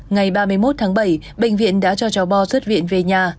ngày ba mươi một tháng bảy bệnh viện đã cho cháu bo xuất viện về nhà